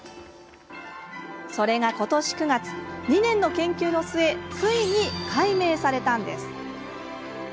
それがことし９月２年の研究の末ついに解明されたんです。